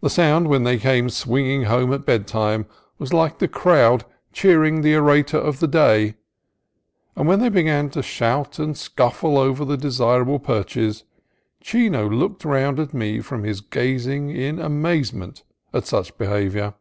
The sound when they came swinging home at bedtime was like a crowd cheering the orator of the day; and when they began to shout and scuffle over the desirable perches, Chino looked round at me from his grazing in amazement at such behavior.